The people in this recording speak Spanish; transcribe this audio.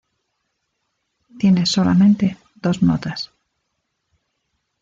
Tiene solamente dos notas.